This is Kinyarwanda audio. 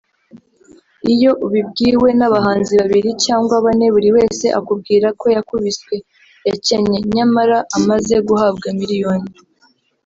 Iyo ubibwiwe n’abahanzi babiri cyangwa bane buri wese akubwira ko yakubiswe (yakennye) nyamara amaze guhabwa miliyoni